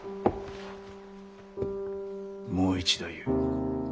もう一度言う。